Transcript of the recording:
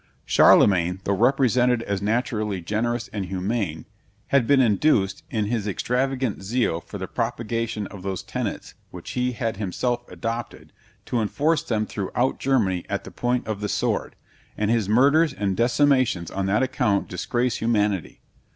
Charlemagne, though represented as naturally generous and humane, had been induced, in his extravagant zeal for the propagation of those tenets which he had himself adopted, to enforce them throughout Germany at the point of the sword; and his murders and decimations on that account disgrace humanity.